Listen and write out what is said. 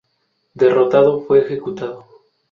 Derrotado, fue ejecutado.